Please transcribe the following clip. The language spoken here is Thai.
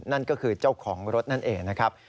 นั่นก็คือเจ้าของรถนั่นเองนะครับ